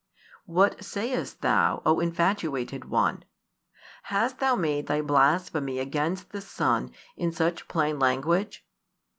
What sayest thou, O infatuated one? Hast thou made thy blasphemy against the Son in such plain language?